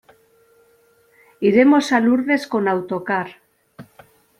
Iremos a Lourdes con autocar.